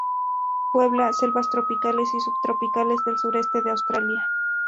Puebla selvas tropicales y subtropicales del sureste de Australia.